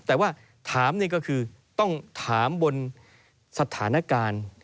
แต่ว่าถามนี่ก็คือต้องถามบนสถานการณ์